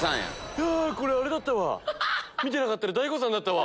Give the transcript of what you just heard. うあこれあれだったわ見てなかったら大誤算だったわ。